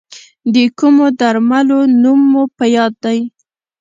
د کومو درملو نوم مو په یاد دی؟